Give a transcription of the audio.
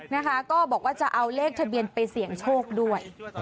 นะคะก็บอกว่าจะเอาเลขทะเบียนไปเสี่ยงโชคด้วย